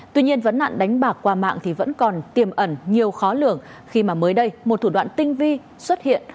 tuy nhiên vấn nạn đánh bạc qua mạng thì vẫn còn tiềm ẩn nhiều khó lường khi mà mới đây một thủ đoạn tinh vi xuất hiện